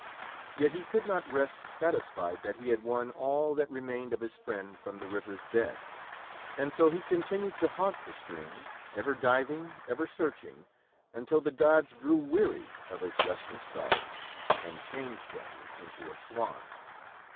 Yet he could not rest satisfied that he had won all that remained of his friend from the river's bed, and so he continued to haunt the stream, ever diving, ever searching, until the gods grew weary of his restless sorrow and changed him into a swan.